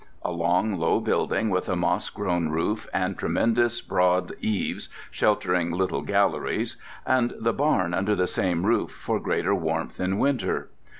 A long, low building with a moss grown roof and tremendous broad eaves sheltering little galleries; and the barn under the same roof for greater warmth in winter.